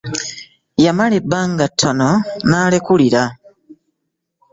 Yamala ebbanga ttono n'alekulira.